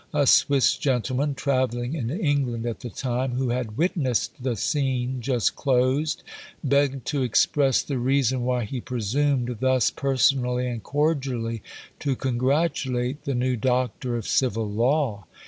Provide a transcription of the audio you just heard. A Swiss gentleman, travelling in England at the time, who had witnessed the scene just closed, begged to express the reason why he presumed thus personally and cordially to congratulate the new Doctor of Civil Law.